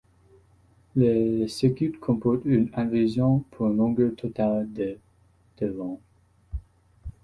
Le circuit comporte une inversion pour une longueur totale de de long.